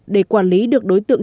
để quản lý được đối tượng